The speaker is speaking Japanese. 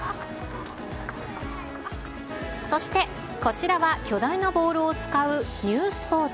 そして、こちらは巨大なボールを使うニュースポーツ。